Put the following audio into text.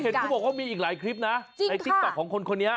เขาบอกว่ามีอีกหลายคลิปนะในติ๊กต๊อกของคนคนนี้